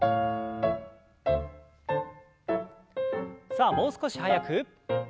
さあもう少し速く。